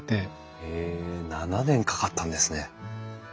へえ７年かかったんですね。